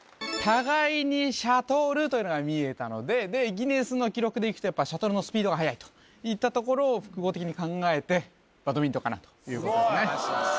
「互いにシャトル」というのが見えたのででギネスの記録でいくとやっぱシャトルのスピードが速いといったところを複合的に考えてバドミントンかなということですね